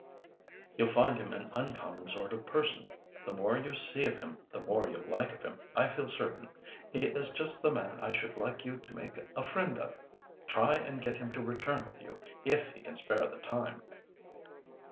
"You'll find him an uncommon sort of person. The more you see of him, the more you'll like him, I feel certain. He is just the man I should like you to make a friend of. Try and get him to return with you, if he can spare the time."